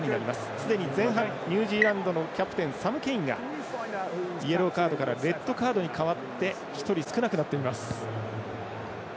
すでに前半ニュージーランドのキャプテンサム・ケインがイエローカードからレッドカードに変わって１人少なくなっています。